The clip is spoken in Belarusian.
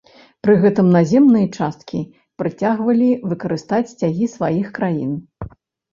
Пры гэтым наземныя часткі працягвалі выкарыстаць сцягі сваіх краін.